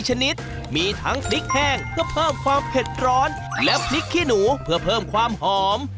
ก๋วยเตี๋วบางบานแล้วเราก็